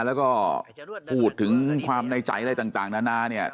แล้วก็พูดถึงความในใจอะไรต่างนานาเนี่ย